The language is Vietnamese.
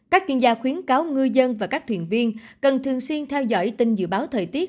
các chuyên gia khuyến cáo ngư dân và các thuyền viên cần thường xuyên theo dõi tin dự báo thời tiết